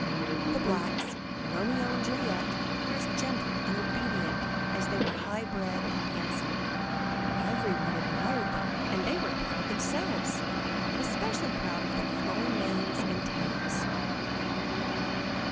The blacks, Romeo and Juliet, were as gentle and obedient as they were high bred and handsome. Every one admired them, and they were proud themselves, especially proud of their flowing manes and tails.